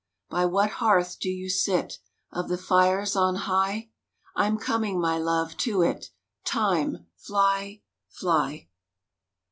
By what hearth do you sit Of the fires on high? I'm coming, my love, to it; Time, fly, fly